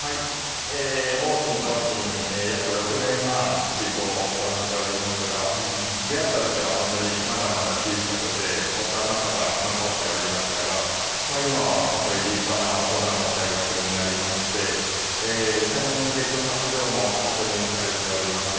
桜浜、桃浜、約６年半飼育を行っておりますが出会った時は本当にまだまだ小さくて幼さが残っておりましたが今は本当に立派な大人の体格になりまして先月、発情も確認されております。